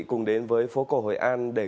cùng đến với phố cổ hồi an điện tử